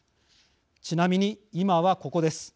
ちなみに、今はここです。